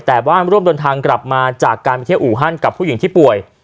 แต่ว่าร่วมเดินทางกลับมาจากการไปเที่ยวอู่ฮั่นกับผู้หญิงที่ป่วย